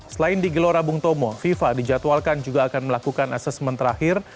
selain di gelora bung tomo fifa dijadwalkan juga akan melakukan asesmen terakhir